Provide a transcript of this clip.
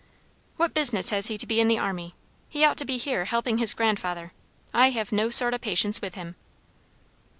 "What business has he to be in the army? He ought to be here helping his grandfather. I have no sort o' patience with him."